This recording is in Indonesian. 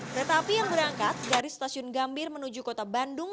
kereta api yang berangkat dari stasiun gambir menuju kota bandung